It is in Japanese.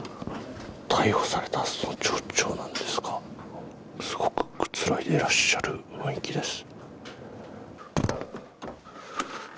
逮捕されたはずの町長なんですが、すごくくつろいでいらっしゃる雰囲気です。